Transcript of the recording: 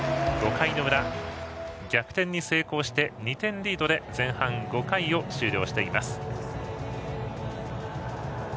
５回の裏、逆転に成功して２点リードで前半、５回を終了しています。